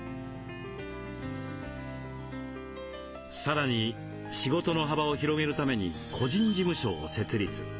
さらに仕事の幅を広げるために個人事務所を設立。